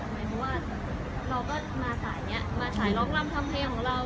เพราะว่าเราก็มาสายนี้มาสายไลฟ์คล้องดังื่อยของเรา